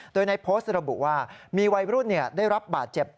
โดยในโพสต์ระบุว่ามีวัยรุ่นได้รับบาดเจ็บ